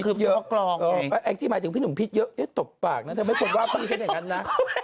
อุ๊ยแบบเค้าไว้อยู่ครับกูไม่ได้จำน่ะ